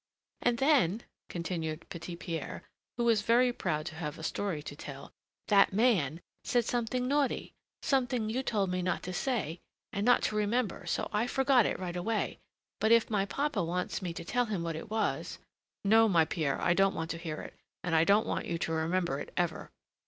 "And then," continued Petit Pierre, who was very proud to have a story to tell, "that man said something naughty, something you told me not to say and not to remember: so I forgot it right away. But if my papa wants me to tell him what it was " "No, my Pierre, I don't want to hear it, and I don't want you to remember it ever."